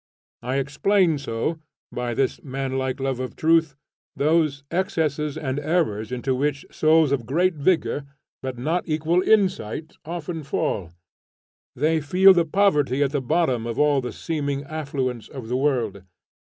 I explain so, by this manlike love of truth, those excesses and errors into which souls of great vigor, but not equal insight, often fall. They feel the poverty at the bottom of all the seeming affluence of the world.